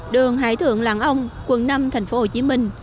đường hải thượng lạng ông quận năm tp hcm